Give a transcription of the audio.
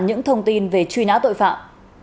những thông tin về truy nã tội phạm